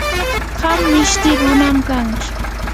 qam mishti runam kanki.